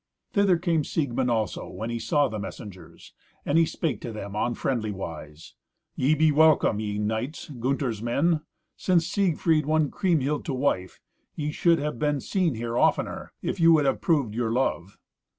Thither came Siegmund also, when he saw the messengers, and he spake to them on friendly wise. "Ye be welcome, ye knights, Gunther's men; since Siegfried won Kriemhild to wife, ye should have been seen here oftener, if you would have proved your love."